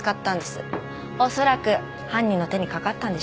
おそらく犯人の手にかかったんでしょう。